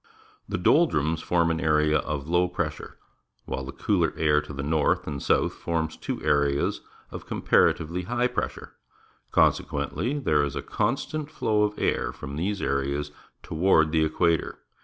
The doldrums form an area of low j)ressure, while the cooler air to the north and the south forms two areas of comparatively high pressure. Consequenth', there is a constant flow of air from these areas toward the equator.